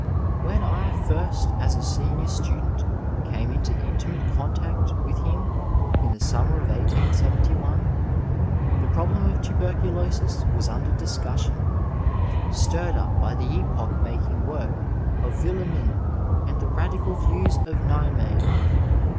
When I fiisty as a senior student, came into intimate contact witii him in the summer of 1871, the problem of tuberculosis was under discussion, stirred up by the epoch making work of Yillemin and the radical views of Niemeyer.